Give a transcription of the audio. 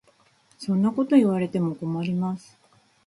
そんなこと言われても困ります。